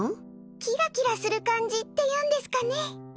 キラキラする感じっていうんですかね？